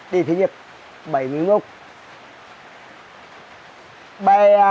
đi thủy nghiệp